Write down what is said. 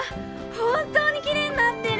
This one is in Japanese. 本当にきれいになってる！